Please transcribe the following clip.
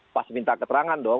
pas minta keterangan dong